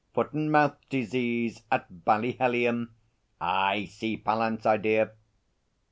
Foot and mouth disease at Ballyhellion. I see Pallant's idea!'